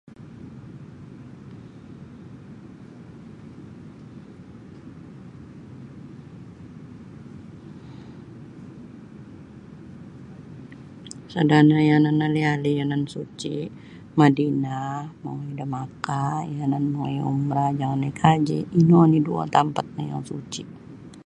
Sada nio ali-ali yanan suci Madinah Makah yanan mongoi umrah jangan naik haji ino oni dua tampat no yang suci.